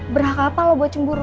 berhak apa loh buat cemburu